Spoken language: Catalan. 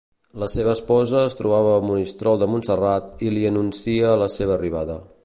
La seva esposa es trobava a Monistrol de Montserrat i li anuncia la seva arribada.